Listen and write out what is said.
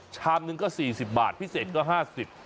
ชามหนึ่งก็๔๐บาทพิเศษก็๕๐บาท